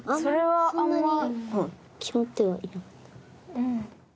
うん。